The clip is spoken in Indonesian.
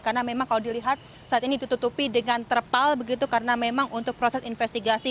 karena memang kalau dilihat saat ini ditutupi dengan terpal begitu karena memang untuk proses investigasi